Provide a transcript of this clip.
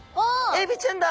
エビちゃんだ！